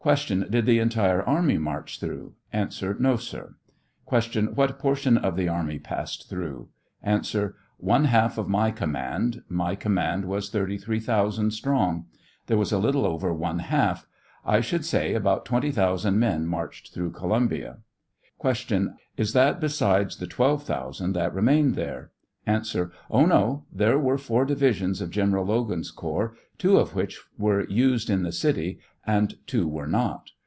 Did the entire army march through ? A. No, sir. Q. What portion of the army passed through ? A. One half of my command ; my command was 33, 000 strong; there was a little over one half; I should say, about 20,000 men marched through Columbia. Q. Is that besides the 12,000 that remained there ? A. Oh, no ; there were four divisions of General Logan's corps; two of which were used in the city, and two were not.